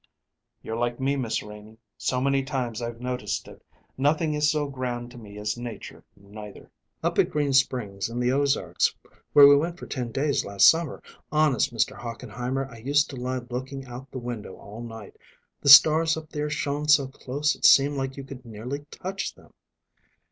"You're like me, Miss Renie; so many times I've noticed it. Nothing is so grand to me as nature, neither." "Up at Green Springs, in the Ozarks, where we went for ten days last summer, honest, Mr. Hochenheimer, I used to lie looking out the window all night. The stars up there shone so close it seemed like you could nearly touch them."